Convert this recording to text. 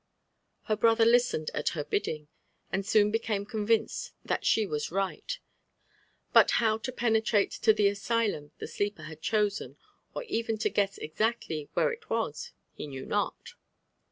Her brother listened at her biddings and soon became convinced that she was right; but bow to penetrate to the asylum the sleeper had chosen, or even to guess exactly where ii was, he knew not.